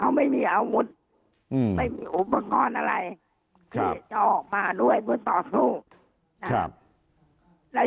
เขาไม่มีอาวุธไม่มีอุปกรณ์อะไรที่จะออกมาด้วยเพื่อต่อสู้นะครับ